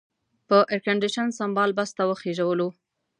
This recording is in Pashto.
په ایرکنډېشن سمبال بس ته وخېژولو.